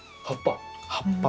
葉っぱ？